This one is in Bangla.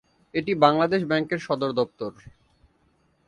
এটি বাংলাদেশ ব্যাংক-এর সদরদপ্তর।